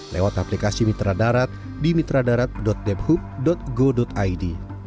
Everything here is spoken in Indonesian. lewat aplikasi mitra darat di mitradarat debhub com